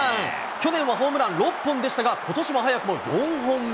去年はホームラン６本でしたが、ことしは早くも４本目。